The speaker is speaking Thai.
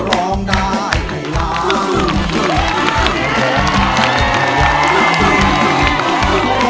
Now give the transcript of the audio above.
เพราะร้องได้ไทยล้ำ